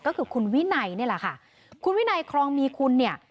ก็คือคุณวินัยนี่แหละค่ะคุณวินัยครองมีคุณเนี่ย